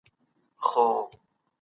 انلاين خدمات وخت او انرژي سپموي.